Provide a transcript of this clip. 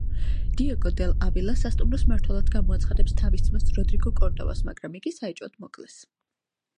დიეგო დელ ავილა სასტუმროს მმართველად გამოაცხადებს თავის ძმას როდრიგო კორდოვას, მაგრამ იგი საეჭვოდ მოკლეს.